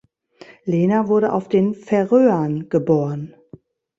Lena wurde auf den Färöern geboren.